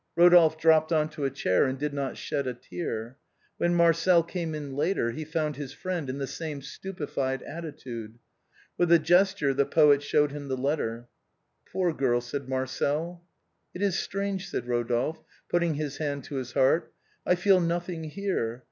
Eodolphe dropped on to a chair and did not shed a tear. When Marcel came in later he found his friend in the same stupefied attitude. With a gesture the poet showed him the letter. " Poor girl !" said Marcel, " It is strange," said Eodolphe, putting his hand to his heart ;" I feel nothing here.